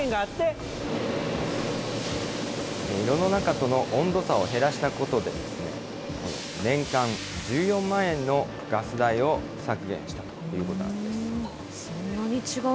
炉の中との温度差を減らしたことで、年間１４万円のガス代を削減したということなんです。